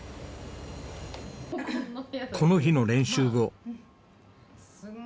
この日の練習後。